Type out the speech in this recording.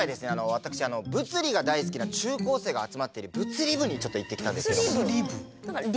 私物理が大好きな中高生が集まっている物理部にちょっと行ってきたんですけども。